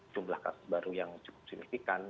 jumlah kasus baru yang cukup signifikan